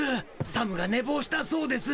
サムがねぼうしたそうです。